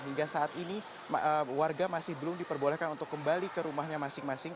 hingga saat ini warga masih belum diperbolehkan untuk kembali ke rumahnya masing masing